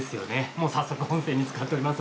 もう早速温泉につかっております。